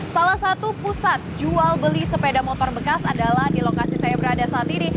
salah satu pusat jual beli sepeda motor bekas adalah di lokasi saya berada saat ini